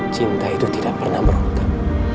cinta itu tidak pernah berhenti